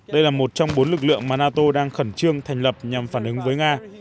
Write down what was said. đây là một trong bốn lực lượng mà nato đang khẩn trương thành lập nhằm phản ứng với nga